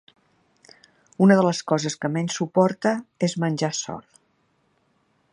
Una de les coses que menys suporta és menjar sol.